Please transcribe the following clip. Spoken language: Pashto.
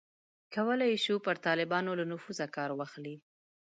کولای یې شول پر طالبانو له نفوذه کار واخلي.